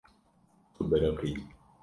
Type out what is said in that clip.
Tu biriqî.